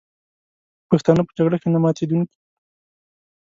پښتانه په جګړه کې نه ماتېدونکي دي.